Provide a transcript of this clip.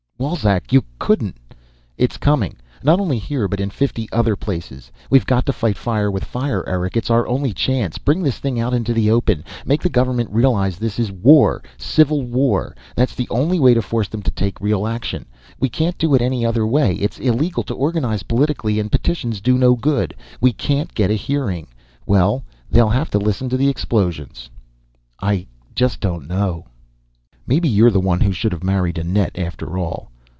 "Wolzek, you couldn't " "It's coming. Not only here, but in fifty other places. We've got to fight fire with fire, Eric. It's our only chance. Bring this thing out into the open. Make the government realize this is war. Civil war. That's the only way to force them to take real action. We can't do it any other way; it's illegal to organize politically, and petitions do no good. We can't get a hearing. Well, they'll have to listen to the explosions." "I just don't know " "Maybe you're the one who should have married Annette after all."